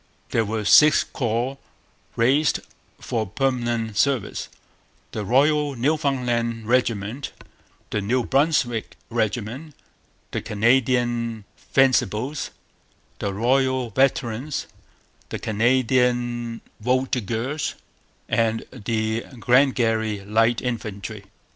There were six corps raised for permanent service: the Royal Newfoundland Regiment, the New Brunswick Regiment, the Canadian Fencibles, the Royal Veterans, the Canadian Voltigeurs, and the Glengarry Light Infantry.